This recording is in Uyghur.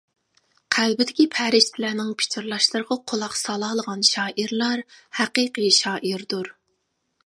قەلبىدىكى پەرىشتىلەرنىڭ پىچىرلاشلىرىغا قۇلاق سالالىغان شائىرلا ھەقىقىي شائىردۇر.